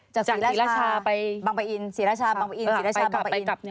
จากศรีราชาบังปะอินศรีราชาบังปะอินศรีราชาบังปะอิน